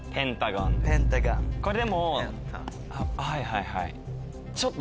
これでもはいはいはい。